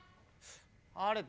あれ？